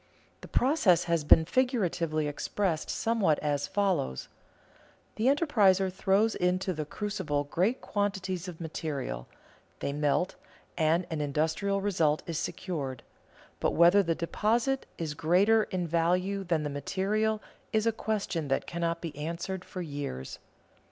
The process has been figuratively expressed somewhat as follows: the enterpriser throws into the crucible great quantities of material; they melt, and an industrial result is secured, but whether the deposit is greater in value than the material is a question that cannot be answered for years.